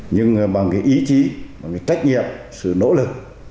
nhưng bằng ý chí trách nhiệm sự nỗ lực